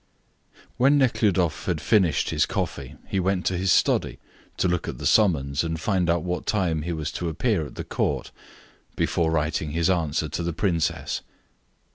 When Nekhludoff had finished his coffee, he went to his study to look at the summons, and find out what time he was to appear at the court, before writing his answer to the princess.